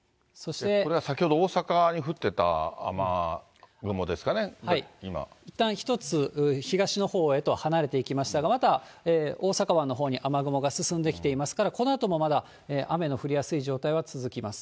これが先ほど、いったん、１つ、東のほうへと離れていきましたが、また大阪湾のほうに雨雲が進んできていますから、このあともまだ雨の降りやすい状態は続きます。